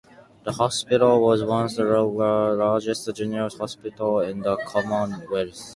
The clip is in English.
The hospital was once the largest general hospital in the Commonwealth.